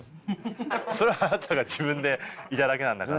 それはあなたが自分でいただけなんだから。